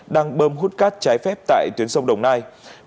đang bơm hút cát trái phép tại tuyến sông đồng nai